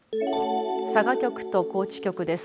佐賀局と高知局です。